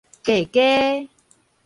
加加